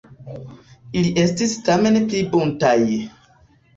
Ili estis tamen pli buntaj.